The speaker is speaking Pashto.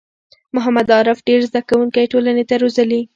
محمد عارف ډېر زده کوونکی ټولنې ته روزلي